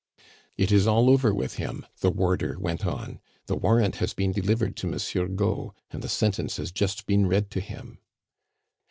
"It is all over with him," the warder went on; "the warrant has been delivered to Monsieur Gault, and the sentence has just been read to him."